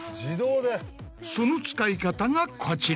その使い方がこちら。